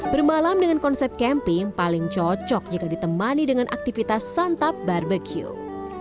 bermalam dengan konsep camping paling cocok jika ditemani dengan aktivitas santap barbecue